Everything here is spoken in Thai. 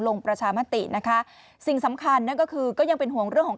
ประชามตินะคะสิ่งสำคัญนั่นก็คือก็ยังเป็นห่วงเรื่องของ